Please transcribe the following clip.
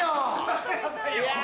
待ってくださいよ。